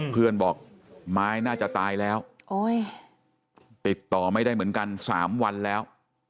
เพื่อนบอกไม้น่าจะตายแล้วติดต่อไม่ได้เหมือนกัน๓วันแล้ว